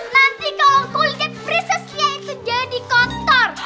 nanti kalau kulit prinsesnya itu jadi kotor